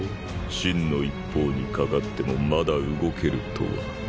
「心の一方」にかかってもまだ動けるとは。